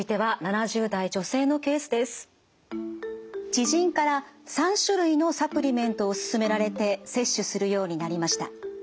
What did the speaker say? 知人から３種類のサプリメントを勧められて摂取するようになりました。